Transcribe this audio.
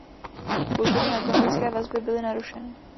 Kulturní a ekonomické vazby byly narušeny.